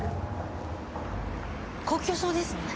高級そうですね。